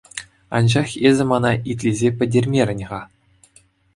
Анчах эсӗ мана итлесе пӗтермерӗн-ха.